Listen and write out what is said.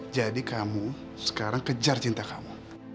jadi kamu sekarang kejar cinta kamu